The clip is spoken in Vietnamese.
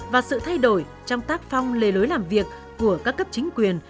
và sự thay đổi trong tác phong lề lối làm việc của các cấp chính quyền